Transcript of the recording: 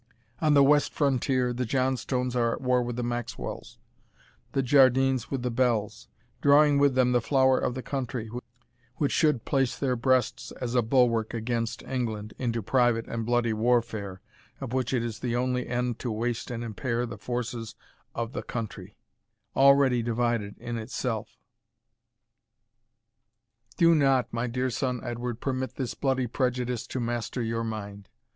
On the west frontier, the Johnstones are at war with the Maxwells, the Jardines with the Bells, drawing with them the flower of the country, which should place their breasts as a bulwark against England, into private and bloody warfare, of which it is the only end to waste and impair the forces of the country, already divided in itself. Do not, my dear son Edward, permit this bloody prejudice to master your mind.